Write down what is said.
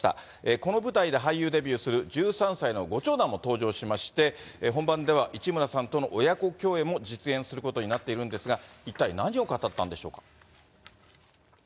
この舞台で俳優デビューする１３歳のご長男も登場しまして、本番では市村さんとの親子共演も実現することになっているんですが、一体何を語ったんでしょうか。